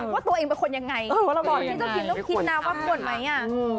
ว่าตัวเองเป็นคนยังไงต้องคิดนะว่าบ่นไหมอ่ะ